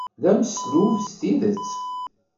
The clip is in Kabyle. D ameslub s tidet.